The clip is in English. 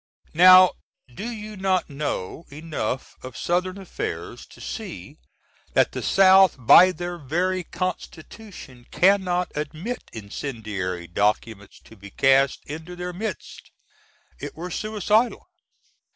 Now do you not know enough of Southern affairs to see that the South by their very Constitution cannot admit incendiary documents to be cast into their midst it were suicidal.